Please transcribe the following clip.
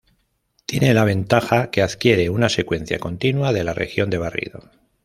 Tiene la ventaja que adquiere una secuencia continua de la región de barrido.